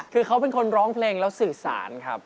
คือเขาเป็นคนร้องเพลงแล้วสื่อสารครับ